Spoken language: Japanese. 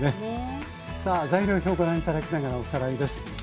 材料表ご覧頂きながらおさらいです。